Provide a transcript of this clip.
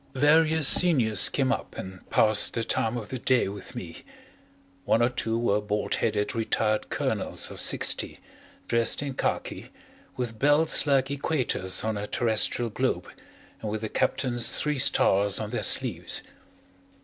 Various seniors came up and passed the time of the day with me one or two were bald headed retired colonels of sixty, dressed in khaki, with belts like equators on a terrestrial globe and with a captain's three stars on their sleeves.